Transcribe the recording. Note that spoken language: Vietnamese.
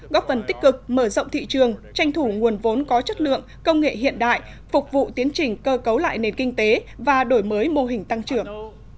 góp phần tích cực mở rộng thị trường tranh thủ nguồn vốn có chất lượng công nghệ hiện đại phục vụ tiến trình cơ cấu lại nền kinh tế và đổi mới mô hình tăng trưởng